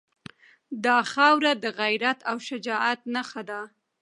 دا خاوره د غیرت او شجاعت نښه ده.